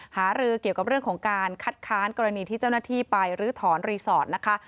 หารือเกี่ยวกับเรื่องของการคัดค้านกรณีที่เจ้าหน้าที่ไปรื้อถอนรีสอร์ทนะคะ